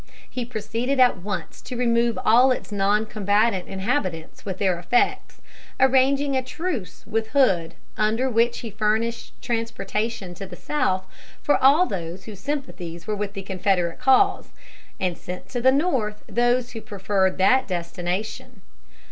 He proceeded at once to remove all its non combatant inhabitants with their effects, arranging a truce with Hood under which he furnished transportation to the south for all those whose sympathies were with the Confederate cause, and sent to the north those who preferred that destination.